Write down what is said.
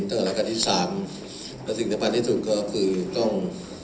ตั้งแต่ราคาทิสามและสิ่งที่สุดก็คือต้อง